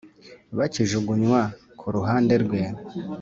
bikajugunywa kuruhande rwe